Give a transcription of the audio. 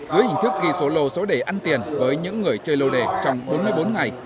dưới hình thức ghi số lô số đề ăn tiền với những người chơi lô đề trong bốn mươi bốn ngày